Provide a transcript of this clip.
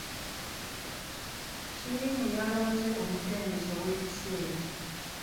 Ttiimu yalonze omutendesi ow'ekiseera.